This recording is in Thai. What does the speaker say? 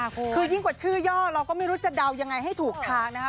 คือยิ่งกว่าชื่อย่อเราก็ไม่รู้จะเดายังไงให้ถูกทางนะคะ